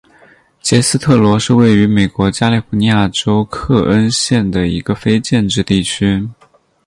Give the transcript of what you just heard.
杰斯特罗是位于美国加利福尼亚州克恩县的一个非建制地区。